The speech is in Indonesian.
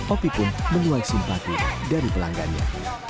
opi pun menuai simpati dari pelanggannya